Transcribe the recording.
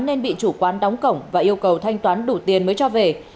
nên bị chủ quán đóng cổng và yêu cầu thanh toán đủ tiền mới cho về